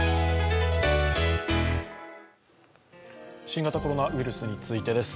新型コロナウイルスについてです。